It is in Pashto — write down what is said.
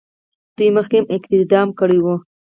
دوی مخکې هم اقدام کړی وو.